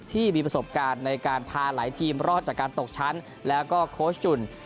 ที่มีประสบการณ์ในการพาหลายทีมรอดจากการตกชั้นแล้วก็โค้ชจุ่น